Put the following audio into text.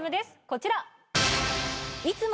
こちら。